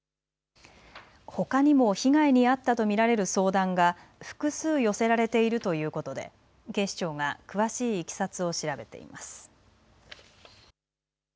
ほかにも被害に遭ったと見られる相談が複数寄せられているということで警視庁が詳しいいきさつを調べています。